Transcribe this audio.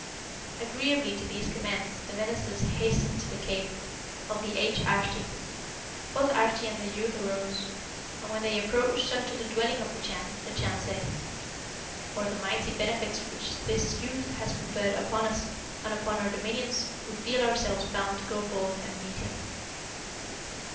Agreeably to these commands, the ministers hastened to the cave of the aged Arschi. Both Arschi and the youth arose, and when they approached unto the dwelling of the Chan, the Chan said, 'For the mighty benefits which this youth has conferred upon us, and upon our dominions, we feel ourselves bound to go forth to meet him.'